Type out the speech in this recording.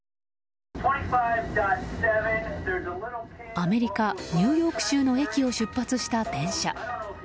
アメリカ・ニューヨーク州の駅を出発した電車。